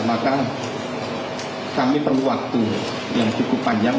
maka kami perlu waktu yang cukup panjang